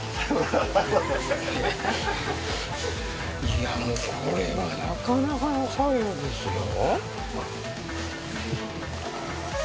いやもうこれはなかなかの作業ですよ。